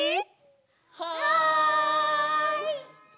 はい！